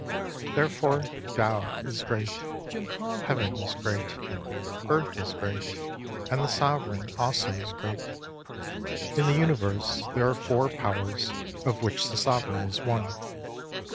Therefore Tao is great ; Heaven is great ; Earth .s great ; and the Sovereign also is great. In the Universe there are four powers, of which the Sovereign is one.